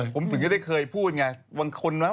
ผมถึงจะได้เคยพูดไงบางคนว่า